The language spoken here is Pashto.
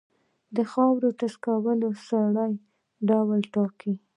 د خاورې ټیسټ کول د سرې ډول ټاکي.